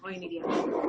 oh ini dia